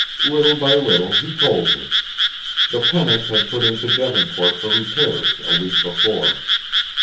Little by little he told her. The Pennant had put in to Devonport for repairs a week before.